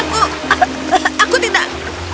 aku aku tidak